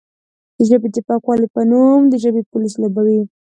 د ژبې د پاکوالې په نوم د ژبې پولیس لوبوي،